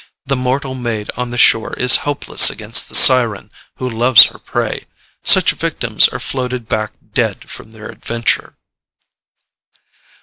The mortal maid on the shore is helpless against the siren who loves her prey: such victims are floated back dead from their adventure.